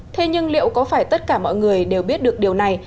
thế nhưng liệu có phải tất cả mọi người đều biết được điều này